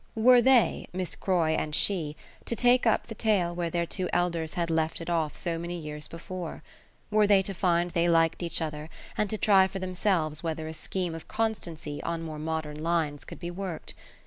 Were they, Miss Croy and she, to take up the tale where their two elders had left it off so many years before? were they to find they liked each other and to try for themselves whether a scheme of constancy on more modern lines could be worked?